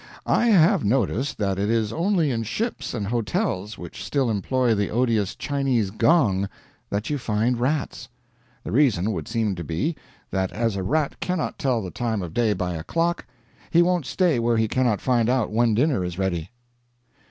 I have noticed that it is only in ships and hotels which still employ the odious Chinese gong, that you find rats. The reason would seem to be, that as a rat cannot tell the time of day by a clock, he won't stay where he cannot find out when dinner is ready.